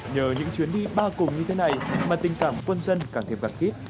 nhờ những chuyến đi ba cùng như thế này mà tình cảm quân dân càng thiệp càng kít